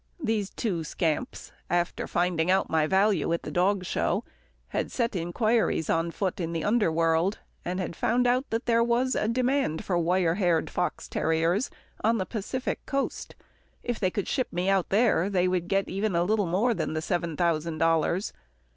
These two scamps, after finding out my value at the dog show, had set enquiries on foot in the underworld, and had found out that there was a demand for wire haired fox terriers on the Pacific Coast. If they could ship me out there, they would get even a little more than the seven thousand dollars.